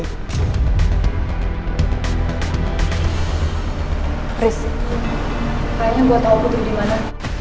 chris kayaknya gue tau putri dimana